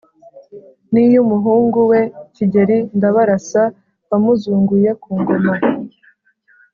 n’iy’umuhungu we Kigeli Ndabarasa wamuzunguye ku ngoma.